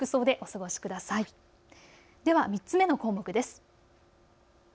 では３つ目の項目です。